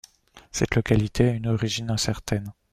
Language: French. Cette localité a une origine incertaine.